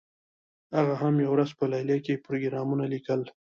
هغه هم یوه ورځ په لیلیه کې پروګرامونه لیکل